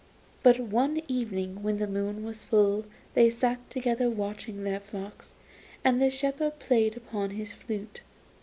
But one evening when the moon was full they sat together watching their flocks, and the shepherd played upon his flute.